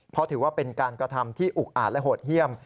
เพราะถือว่าเป็นการกระทำที่อุกอาจและโหดเยี่ยม